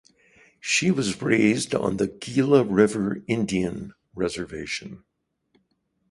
She was raised on the Gila River Indian Reservation.